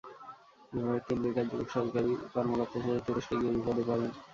এভাবে তিন বেকার যুবক সরকারি কর্মকর্তা সেজে তুরস্কে গিয়ে বিপদে পড়েন।